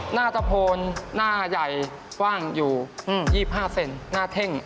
ตะโพนหน้าใหญ่กว้างอยู่๒๕เซนหน้าเท่ง